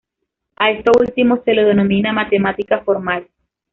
A esto último se lo denomina "matemática formal.